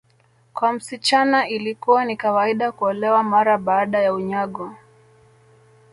Kwa msichana ilikuwa ni kawaida kuolewa mara baada ya unyago